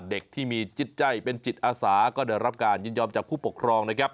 เด็กที่มีจิตใจเป็นจิตอาสาก็ได้รับการยินยอมจากผู้ปกครองนะครับ